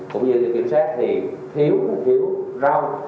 cũng như kiểm soát thì thiếu thiếu rau